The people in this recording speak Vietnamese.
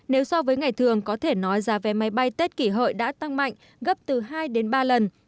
nếu so với ngày thường có thể nói giá vé máy bay tết kỷ hợi đã tăng mạnh gấp từ hai đến ba lần